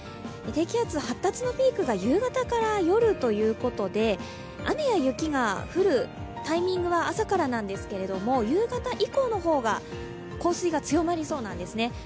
低気圧、発達のピークが夕方から夜ということで雨や雪が降るタイミングは朝からなんですけれども、夕方以降の方が降水が強まりそうなんですね。